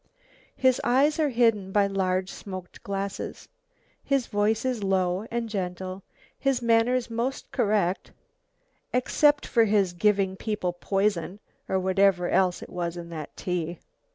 His eyes are hidden by large smoked glasses. His voice is low and gentle, his manners most correct except for his giving people poison or whatever else it was in that tea.